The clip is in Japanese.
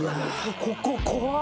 ここ怖っ！